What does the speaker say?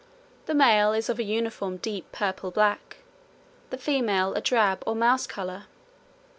The male is of a uniform deep purple black, the female a drab or mouse colour.